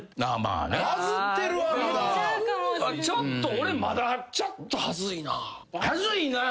俺まだちょっと恥ずいな。